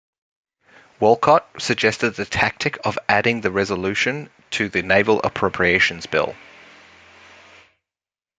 Walcott suggested the tactic of adding the resolution to the Naval Appropriations Bill.